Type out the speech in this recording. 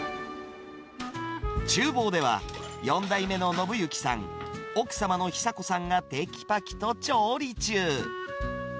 ちゅう房では、４代目の信行さん、奥様の寿子さんがてきぱきと調理中。